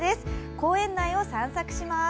公園内を散策します。